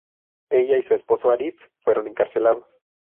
Ella y su esposo Arif fueron encarcelados.